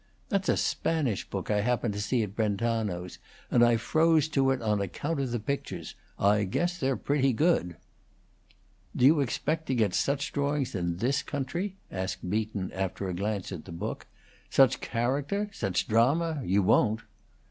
"That's a Spanish book I happened to see at Brentano's, and I froze to it on account of the pictures. I guess they're pretty good." "Do you expect to get such drawings in this country?" asked Beaton, after a glance at the book. "Such character such drama? You won't."